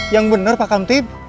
yang benar pak kamtip